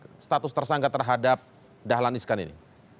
dengan status tersangka terhadap dahlan iskan ini